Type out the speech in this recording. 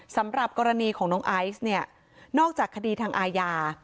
สำหรับกรณีของน้องไอซ์เนี่ยนอกจากคดีทางอาญา